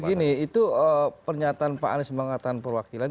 jadi begini itu pernyataan pak anies mengatakan perwakilan